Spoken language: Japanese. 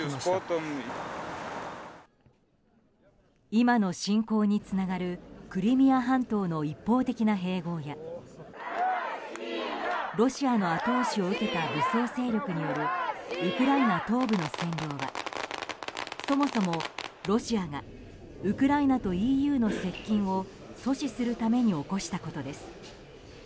今の侵攻につながるクリミア半島の一方的な併合やロシアの後押しを受けた武装勢力によるウクライナ東部の占領はそもそもロシアがウクライナとＥＵの接近を阻止するために起こしたことです。